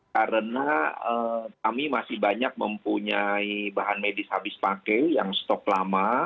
karena kami masih banyak mempunyai bahan medis habis pakai yang stok lama